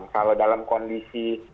kalau dalam kondisi